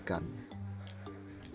yang di kompetisikan